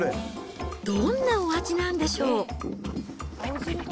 どんなお味なんでしょう。